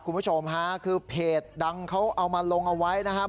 คุณผู้ชมฮะคือเพจดังเขาเอามาลงเอาไว้นะครับ